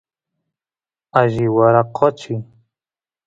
alli waraqochi